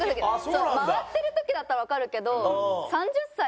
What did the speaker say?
回ってる時だったらわかるけど。